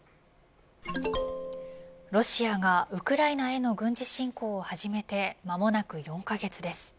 ロシアがウクライナへの軍事侵攻を始めて間もなく４カ月です。